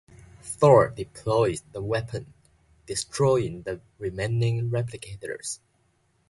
Thor deploys the weapon, destroying the remaining replicators.